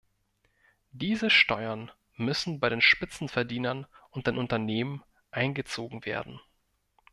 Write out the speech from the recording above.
Diese Steuern müssen bei den Spitzenverdienern und den Unternehmen eingezogen werden.